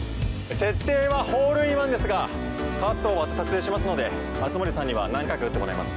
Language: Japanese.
設定はホールインワンですがカットを割って撮影しますので熱護さんには何回か打ってもらいます。